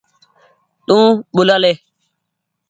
تو ٻوُلآ لي ۔